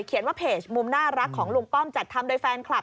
ว่าเพจมุมน่ารักของลุงป้อมจัดทำโดยแฟนคลับ